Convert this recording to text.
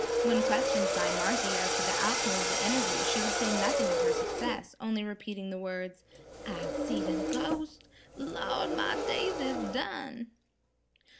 When questioned by Marthy as to the outcome of the interview she would say nothing of her success, only repeating the words. "I'se seed a ghos'! Lawd, my days is done."